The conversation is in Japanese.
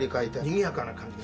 にぎやかな感じ。